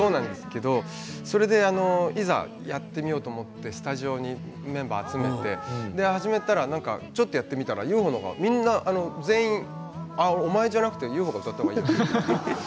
それで、いざやってみようと思ってスタジオにメンバーを集めて始めたらちょっとやってみたら遊穂のほうがお前じゃなくて遊穂が歌ったほうがいいよって。